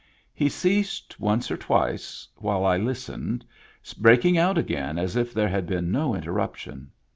He ceased once or twice while I listened, breaking out again as if there had been no interruption.